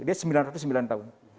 dia sembilan ratus sembilan tahun